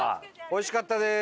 おいしかったです。